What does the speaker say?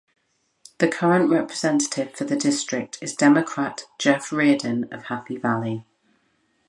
The current representative for the district is Democrat Jeff Reardon of Happy Valley.